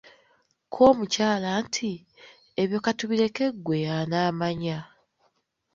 Kko omukyala nti, Ebyo katubireke ggwe y’anaamanya.